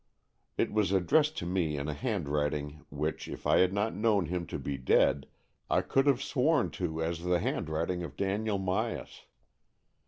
It was addressed to me in a handwriting which, if I had not known him to be dead, I could have sworn to as the handwriting of Daniel Myas.